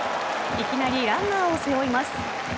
いきなりランナーを背負います。